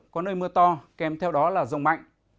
có nơi mưa to kèm theo đó là rông mạnh